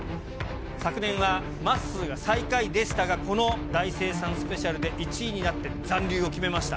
昨年は、まっすーが最下位でしたが、この大精算スペシャルで１位になって、残留を決めました。